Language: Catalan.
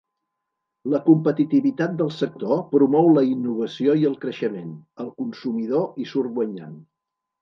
La competitivitat del sector promou la innovació i el creixement. El consumidor hi surt guanyant.